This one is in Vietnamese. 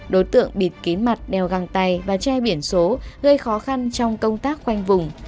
đối tượng bịt kín mặt đeo găng tay và che biển số gây khó khăn trong công tác khoanh vùng